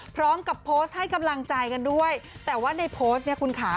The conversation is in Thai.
พร้อมกับโพสต์ให้กำลังใจกันด้วยแต่ว่าในโพสต์เนี่ยคุณค่ะ